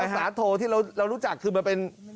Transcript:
สาโทที่เรารู้จักคือมันเป็น